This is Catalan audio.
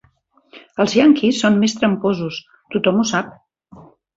Els ianquis són més tramposos, tothom ho sap.